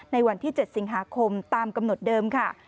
ในวันที่๗สิงหาคมตามกำหนดเดิมค่ะ